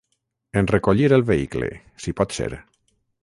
En recollir el vehicle, si pot ser.